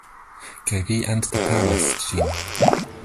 Kaj vi anstataŭas ŝin.